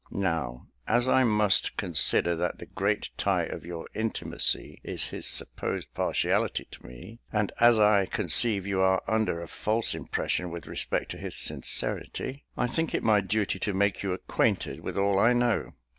Now, as I must consider that the great tie of your intimacy is his supposed partiality to me, and as I conceive you are under a false impression with respect to his sincerity, I think it my duty to make you acquainted with all I know.